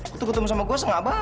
kutuk kutuk sama gue sengah banget